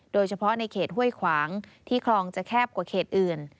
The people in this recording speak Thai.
โดยเฉพาะในเขตห้วยขวางที่คลองจะแคบกว่าเขตอื่น